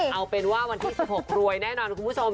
เอาเป็นว่าวันที่๑๖รวยแน่นอนคุณผู้ชม